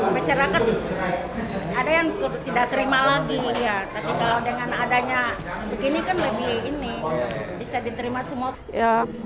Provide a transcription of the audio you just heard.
masyarakat ada yang tidak terima lagi tapi kalau dengan adanya begini kan lebih ini bisa diterima semua pihak